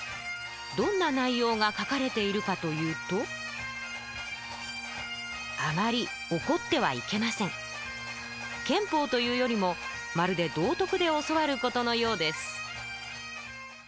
どんな内容が書かれているかというと憲法というよりもまるで道徳で教わることのようです